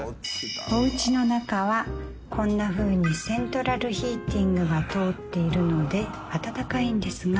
お家の中はこんなふうにセントラルヒーティングが通っているので暖かいんですが。